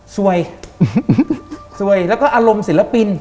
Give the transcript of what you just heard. สวยสวยแล้วก็อารมณ์ศิลปิน